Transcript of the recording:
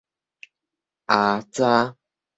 腌臢